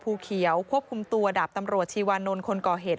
ภูเขียวควบคุมตัวดาบตำรวจชีวานนท์คนก่อเหตุ